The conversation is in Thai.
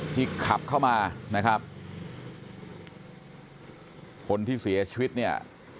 ขับเข้ามานะครับคนที่เสียชีวิตเนี่ย